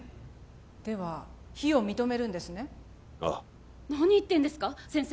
では非を認めるんですねああ何言ってんですか先生